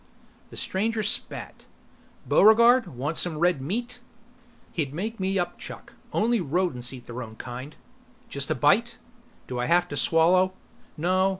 The stranger spat. "Buregarde, want some red meat?" "He'd make me upchuck. Only rodents eat their own kind." "Just a bite?" "Do I have to swallow?" "No.